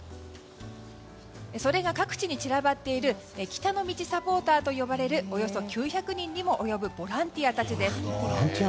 それが、各地に散らばっている北の道サポーターと呼ばれるおよそ９００人にも及ぶボランティアたちです。